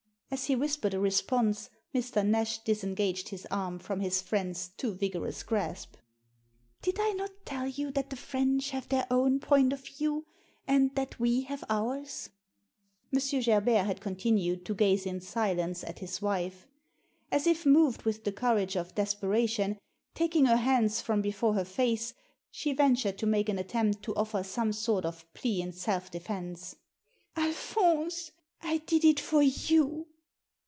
As he whispered a response Mr. Nash disengaged his arm from his friend's too vigorous grasp. Digitized by VjOOQIC 190 THE SEEN AND THE UNSEEN " Did I not tell you that the French have their own point of view, and that we have ours." M. Gerbert had continued to gaze in silence at his wife. As if moved with the courage of despera tion, taking her hands from before her face, she ventured to make an attempt to offer some sort of plea in self defence. " Alphonse, I did it for you.